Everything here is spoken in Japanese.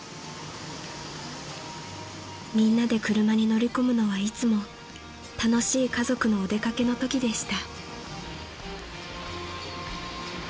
［みんなで車に乗り込むのはいつも楽しい家族のお出掛けのときでした］